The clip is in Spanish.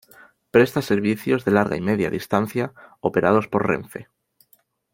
Presta servicios de larga y media distancia operados por Renfe.